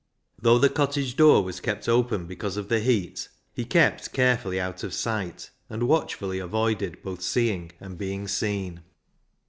Though the cottage door was kept open because of the heat, he kept carefully out of sight, and watchfully avoided both seeing and being seen.